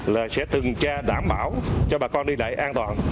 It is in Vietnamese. là sẽ từng tra đảm bảo cho bà con đi lại an toàn